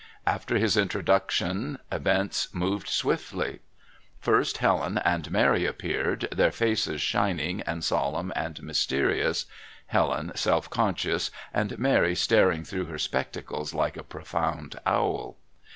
After his introduction events moved swiftly. First Helen and Mary appeared, their faces shining and solemn and mysterious Helen self conscious and Mary staring through her spectacles like a profound owl.